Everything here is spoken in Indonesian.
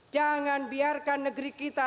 jangan biarkan negeri kita